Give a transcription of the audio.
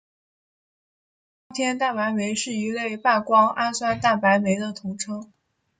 胱天蛋白酶是一类半胱氨酸蛋白酶的统称。